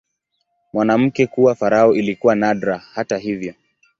Mwanamke kuwa farao ilikuwa nadra, hata hivyo.